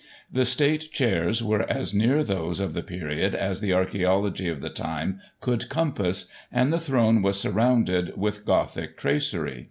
The state chairs were as near those of the period as the archaeology of the time could compass, and the throne was surrounded with Gothic tracery.